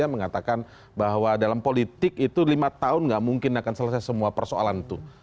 mengatakan bahwa dalam politik itu lima tahun gak mungkin akan selesai semua persoalan itu